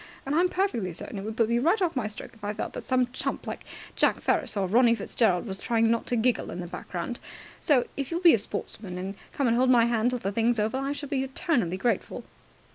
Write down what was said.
And I'm perfectly certain it would put me right off my stroke if I felt that some chump like Jack Ferris or Ronnie Fitzgerald was trying not to giggle in the background. So, if you will be a sportsman and come and hold my hand till the thing's over, I shall be eternally grateful."